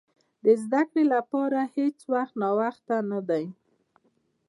د زده کړې لپاره هېڅ وخت ناوخته نه دی.